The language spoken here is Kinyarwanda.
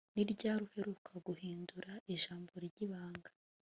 Ni ryari uheruka guhindura ijambo ryibanga